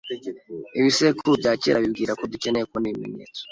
Ibisekuru byakera bibwira ko dukeneye kubona ibimenyetso